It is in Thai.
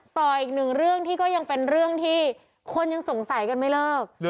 ต่ออีกหนึ่งเรื่องที่ก็ยังเป็นเรื่องที่คนยังสงสัยกันไม่เลิก